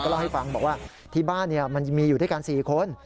เล่าให้ฟังบอกว่าที่บ้านมันมีอยู่ด้วยกัน๔คน